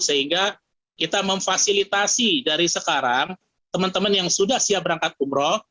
sehingga kita memfasilitasi dari sekarang teman teman yang sudah siap berangkat umroh